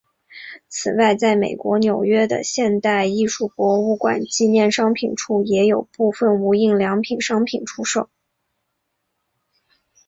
此外在美国纽约的现代艺术博物馆纪念商品处也有部份无印良品商品出售。